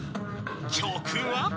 ［曲は］